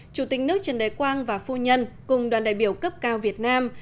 chủ tịch nước trần đại quang và phu nhân cùng đoàn đại biểu cấp cao việt nam